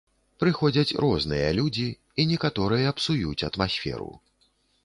Прыходзяць розныя людзі, і некаторыя псуюць атмасферу.